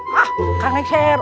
hah kak nekser